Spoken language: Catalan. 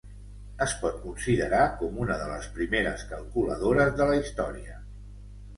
Es pot considerar com una de les primeres calculadores de la història.